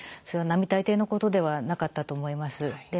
それは並大抵のことではなかったと思います。